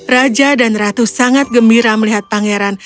raja dan ratu sangat gembira melihat pangeran